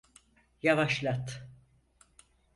Yavaşlat.